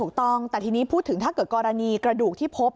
ถูกต้องแต่ทีนี้พูดถึงถ้าเกิดกรณีกระดูกที่พบ